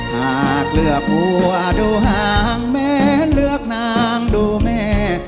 หากเลือกหัวดูห่างแม่เลือกนางดูแม่